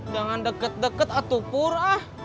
jangan deket deket atuh pura